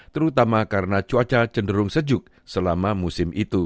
terutama karena cuaca cenderung sejuk selama musim itu